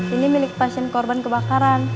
ini milik pasien korban kebakaran